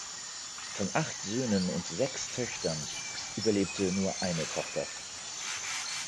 Von acht Söhnen und sechs Töchtern überlebte nur eine Tochter.